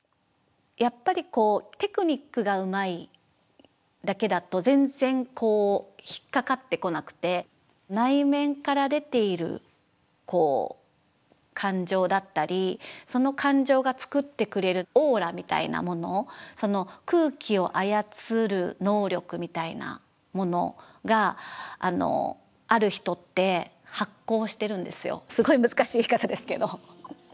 やっぱりテクニックがうまいだけだと全然こう引っかかってこなくて内面から出ているこう感情だったりその感情が作ってくれるオーラみたいなものすごい難しい言い方ですけど。